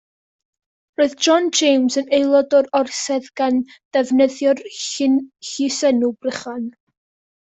Roedd John James yn aelod o'r orsedd gan ddefnyddio'r llysenw Brychan.